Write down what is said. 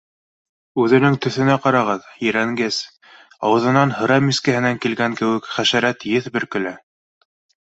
Үҙенең төҫөнә ҡарағыһыҙ, ерәнгес, ауыҙынан һыра мискәһенән килгән кеүек хәшәрәт еҫ бөркөлә